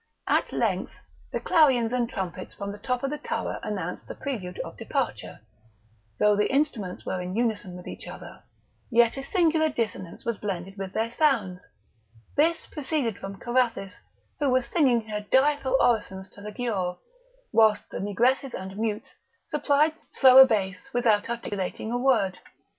At length the clarions and trumpets from the top of the tower announced the prelude of departure; though the instruments were in unison with each other, yet a singular dissonance was blended with their sounds; this proceeded from Carathis, who was singing her direful orisons to the Giaour, whilst the negresses and mutes supplied thorough base without articulating a word.